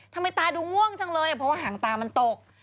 ทำไมตาดูง่วงจังเลยเพราะว่าหางตามันตก